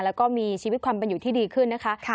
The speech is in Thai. แล้วก็มีชีวิตความบรรยุที่ดีขึ้นนะคะค่ะ